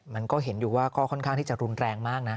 มันก็เห็นอยู่ว่าก็ค่อนข้างที่จะรุนแรงมากนะ